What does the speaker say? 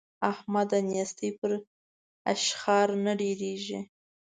احمده! نېستي په اشخار نه ډېرېږي.